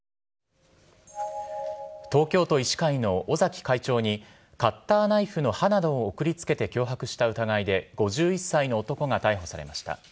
東京都医師会の尾崎会長に、カッターナイフの刃などを送りつけて脅迫した疑いで、５１歳の男が逮捕されました。